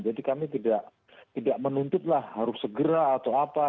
jadi kami tidak tidak menuntutlah harus segera atau apa